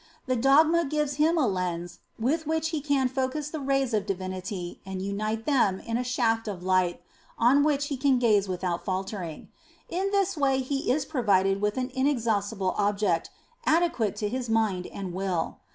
The dogma gives him a lens with which he can focus the rays of Divinity and unite them in a shaft of light on which he can gaze without faltering. In this way he is provided with an inexhaustible object, adequate to his mind and will.